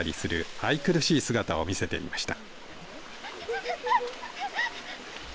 愛くるしい姿を見せていました。